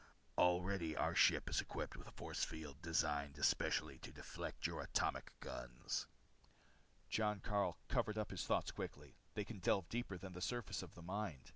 Already our ship is equipped with a force field designed especially to deflect your atomic guns." Jon Karyl covered up his thoughts quickly. They can delve deeper than the surface of the mind.